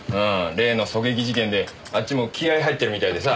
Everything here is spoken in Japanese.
例の狙撃事件であっちも気合入ってるみたいでさ。